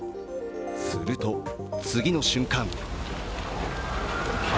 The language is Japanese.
すると、次の瞬間